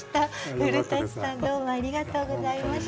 古さんどうもありがとうございました。